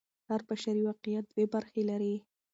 هر بشري واقعیت دوې برخې لري.